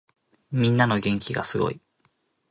みんなの元気がすごい。